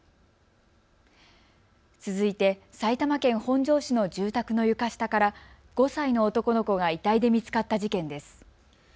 続いて埼玉県本庄市の住宅の床下から５歳の男の子が遺体で見つかった事件です。